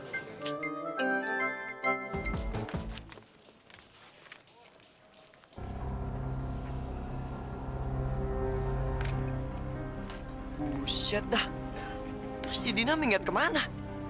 buset dah terus di dinamik ngeliat kemana